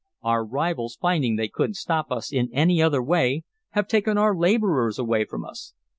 Our rivals finding they couldn't stop us in any other way have taken our laborers away from us."